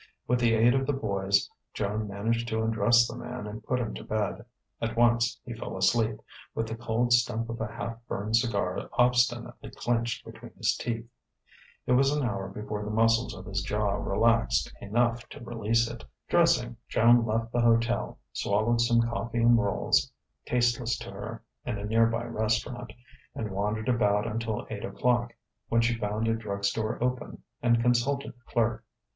With the aid of the boys, Joan managed to undress the man and put him to bed. At once he fell asleep, with the cold stump of a half burned cigar obstinately clenched between his teeth. It was an hour before the muscles of his jaw relaxed enough to release it. Dressing, Joan left the hotel, swallowed some coffee and rolls, tasteless to her, in a nearby restaurant, and wandered about until eight o'clock, when she found a drug store open, and consulted the clerk.